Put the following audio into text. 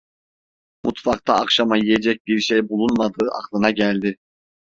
Mutfakta akşama yiyecek bir şey bulunmadığı aklına geldi.